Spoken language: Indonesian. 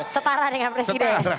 setara dengan presiden